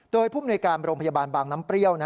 โดยผู้มนุยการโรงพยาบาลบางน้ำเปรี้ยว